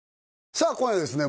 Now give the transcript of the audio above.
さあ今夜はですね